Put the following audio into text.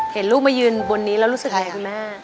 เห็นลูกมายืนบนนี้แล้วรู้สึกไงคุณแม่